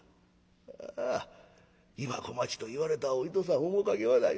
ああ今小町といわれたお糸さん面影はないわい。